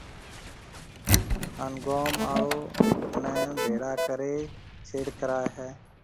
ھان گوم آݪو نيَ ڀيݪا ڪرَي ڇيڙ ڪرائيَ ھيََََ